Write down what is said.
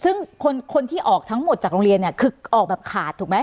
ซึ่งคนที่ออกทั้งหมดจากโรงเรียนเนี่ยคือออกแบบขาดถูกไหม